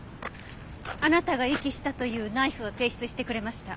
あなたが遺棄したというナイフを提出してくれました。